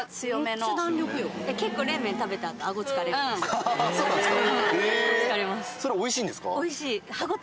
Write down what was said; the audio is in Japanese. ハハハそうなんですか？